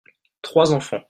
Trois enfants.